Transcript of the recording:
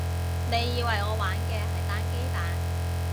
你以為我玩嘅係單機版